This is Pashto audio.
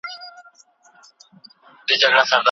مراد